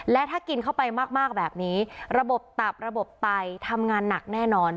และถ้ากินเข้าไปมากแบบนี้ระบบตับระบบไตทำงานหนักแน่นอน